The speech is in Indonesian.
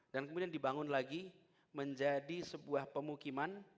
dan kemudian dibangun lagi menjadi sebuah pemukiman